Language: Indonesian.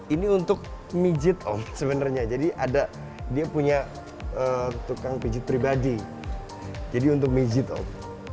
ini untuk mijit om sebenarnya jadi ada dia punya tukang pijit pribadi jadi untuk mijit om